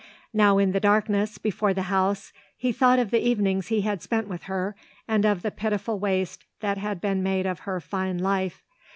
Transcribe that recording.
Now in the darkness, before the house, he thought of the evenings he had spent with her and of the pitiful waste that had been made of her fine life.